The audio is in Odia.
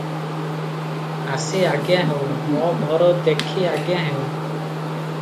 "ଆସି ଆଜ୍ଞା ହେଉ, ମୋ ଘର ଦେଖି ଆଜ୍ଞା ହେଉ ।"